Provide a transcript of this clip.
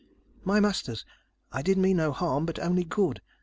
"My Masters, I did mean no harm, but only good.